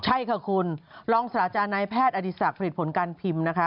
ใช่ค่ะคุณรองศาสตราจารย์นายแพทย์อดีศักดิ์ผลิตผลการพิมพ์นะคะ